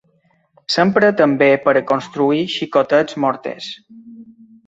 S'empra també per a construir xicotets morters.